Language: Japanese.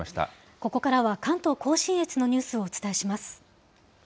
ここからは関東甲信越のニュースをお伝えします。